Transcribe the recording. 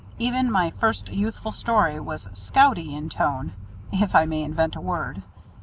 Even my first youthful story was "scouty" in tone, if I may invent a word.